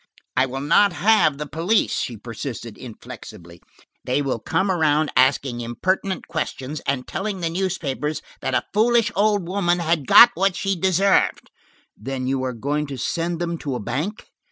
"I will not have the police," she persisted inflexibly. "They will come around asking impertinent questions, and telling the newspapers that a foolish old woman had got what she deserved." "Then you are going to send them to a bank?"